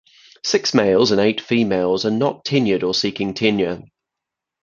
Six males and eight females are not tenured or seeking tenure.